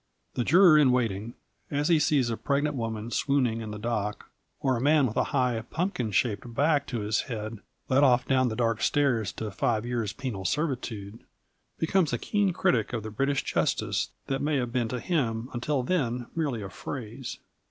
The juror in waiting, as he sees a pregnant woman swooning in the dock or a man with a high, pumpkin shaped back to his head led off down the dark stairs to five years' penal servitude, becomes a keen critic of the British justice that may have been to him until then merely a phrase.